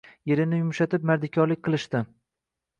Yerini yumshatib mardikorlik qilishdi.